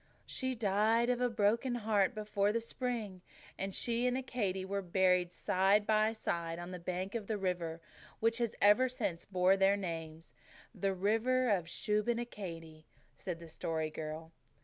"She died of a broken heart before the spring, and she and Accadee were buried side by side on the bank of the river which has ever since borne their names the river Shubenacadie," said the Story Girl.